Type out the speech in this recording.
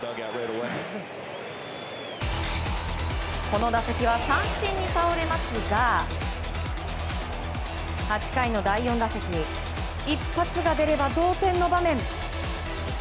この打席は三振に倒れますが８回の第４打席一発が出れば同点の場面。